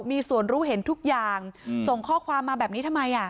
มีส่วนรู้เห็นทุกอย่างส่งข้อความมาแบบนี้ทำไมอ่ะ